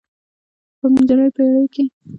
په منځنیو پیړیو کې د تعمیراتو جوړښت ډیر پرمختګ وکړ.